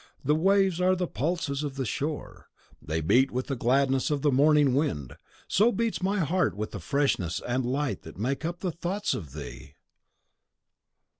The waves are the pulses of the shore. They beat with the gladness of the morning wind, so beats my heart in the freshness and light that make up the thoughts of thee!